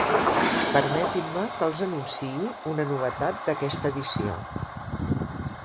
Permetin-me que els anunciï una novetat d'aquesta edició.